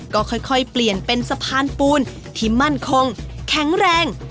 ก็ค่อยเปลี่ยนเป็นสะพานปูนที่มั่นคงแข็งแรง